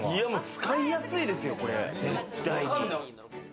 使いやすいですよ、絶対に。